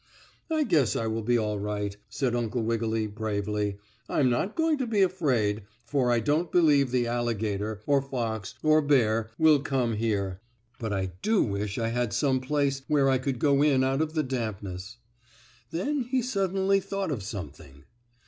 "I guess I will be all right," said Uncle Wiggily, bravely. "I'm not going to be afraid, for I don't believe the alligator, or fox, or bear, will come here. But I do wish I had some place where I could go in out of the dampness." Then he suddenly thought of something.